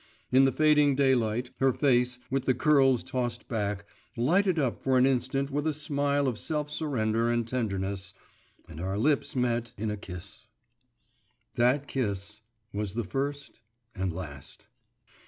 In the fading daylight, her face, with the curls tossed back, lighted up for an instant with a smile of self surrender and tenderness, and our lips met in a kiss.… That kiss was the first and last.